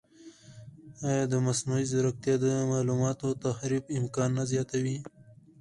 ایا مصنوعي ځیرکتیا د معلوماتو تحریف امکان نه زیاتوي؟